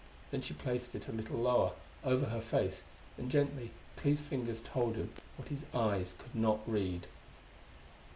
Then she placed it a little lower, over her face; and gently Clee's fingers told him what his eyes could not read.